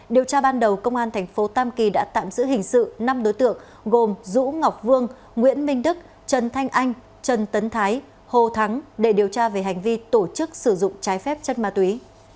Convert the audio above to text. điều tra ban đầu công an thành phố tam kỳ đã tạm giữ hình sự năm đối tượng gồm dũ ngọc vương nguyễn minh đức trần thanh anh trần tấn thái hồ thắng để điều tra về hành vi tổ chức sử dụng trái phép chất ma túy